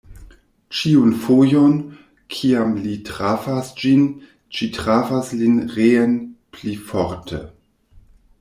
Ĉiun fojon, kiam li trafas ĝin, ĝi trafas lin reen pli forte.